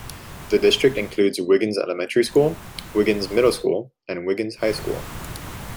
The district includes Wiggins Elementary School, Wiggins Middle School and Wiggins High School.